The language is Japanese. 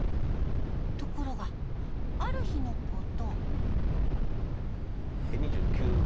ところがある日のこと。